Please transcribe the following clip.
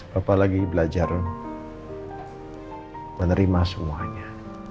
bapak lagi belajar menerima semuanya